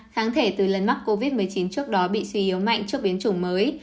kháng thể từ lần mắc covid một mươi chín trước đó bị suy yếu mạnh trước biến chủng mới